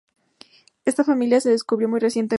Esta familia se descubrió muy recientemente.